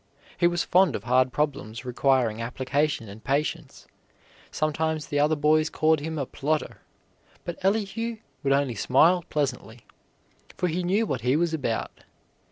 He was fond of hard problems requiring application and patience. Sometimes the other boys called him a plodder, but Elihu would only smile pleasantly, for he knew what he was about.